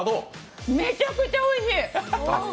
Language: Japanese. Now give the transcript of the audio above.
めちゃくちゃおいしい！